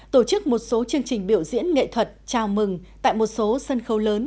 tổ chức một số chương trình biểu diễn nghệ thuật chào mừng tại một số sân khấu lớn